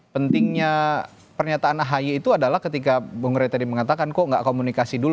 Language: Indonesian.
pentingnya pernyataan ahy itu adalah ketika bung rey tadi mengatakan kok nggak komunikasi dulu